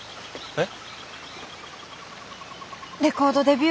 えっ？